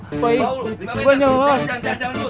jangan jangan jangan